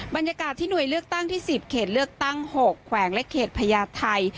บรรยากาศที่หน่วยเลือกตั้งที่๑๐เขตเลือกตั้ง๖แขวงและเขตพญาไทย